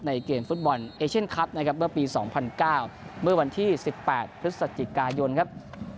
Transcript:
เกมฟุตบอลเอเชียนคลับนะครับเมื่อปี๒๐๐๙เมื่อวันที่๑๘พฤศจิกายนครับ